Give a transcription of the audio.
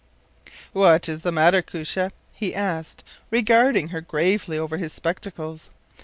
“What is the matter, Koosje?” he asked, regarding her gravely over his spectacles.